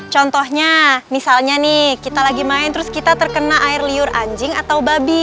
contohnya misalnya nih kita lagi main terus kita terkena air liur anjing atau babi